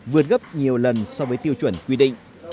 vượt gấp nhiều lần so với tiêu chuẩn quy định